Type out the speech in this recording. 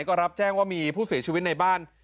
ก็รับแจ้งว่ามีผู้เสียชีวิตในบ้าน